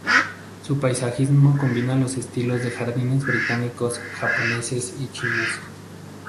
Su paisajismo combina los estilos de jardines británicos, japoneses y chinos.